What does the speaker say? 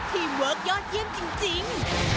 เวิร์คยอดเยี่ยมจริง